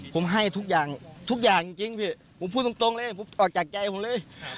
ผมให้ทุกอย่างทุกอย่างจริงพี่ผมพูดตรงเลยผมออกจากใจผมเลย